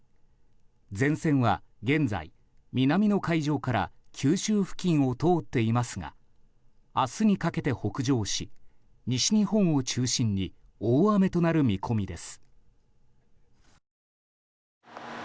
前線は現在、南の海上から九州付近を通っていますが明日にかけて北上し西日本を中心に大雨となる見込みです。